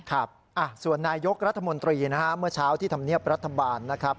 ครับส่วนนายยกรัฐมนตรีนะฮะเมื่อเช้าที่ธรรมเนียบรัฐบาลนะครับ